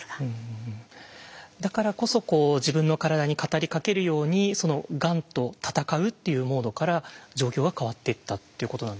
だからこそ自分の体に語りかけるようにがんと闘うっていうモードから状況は変わっていったっていうことなんですね。